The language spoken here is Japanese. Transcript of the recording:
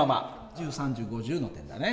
１０３０５０の点だね。